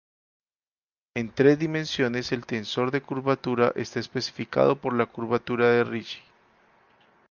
En tres dimensiones, el tensor de curvatura está especificado por la curvatura de Ricci.